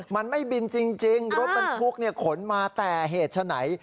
มันไม่บินจริงรถบรรทุกขนมาแต่เหตุฉะไหน